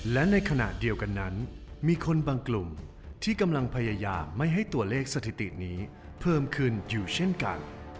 และในขณะเดียวกันนั้นมีคนบางกลุ่มที่กำลังพยายามไม่ให้ตัวเลขสถิตินี้เพิ่มขึ้นอยู่เช่นกัน